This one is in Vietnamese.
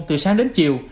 từ sáng đến chiều